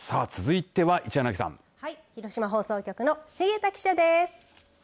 広島放送局の重田記者です。